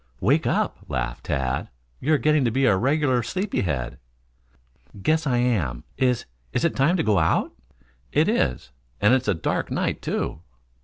"Wake up," laughed Tad. "You are getting to be a regular sleepy head." "Guess I am. Is is it time to go out?" "It is. And it is a dark night, too."